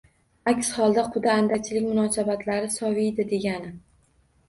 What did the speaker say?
Aks holda, quda-andachilik munosabatlari soviydi, degani